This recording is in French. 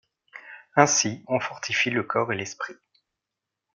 Ainsi, on fortifie le corps et l’esprit.